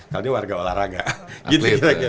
kali ini warga olahraga gitu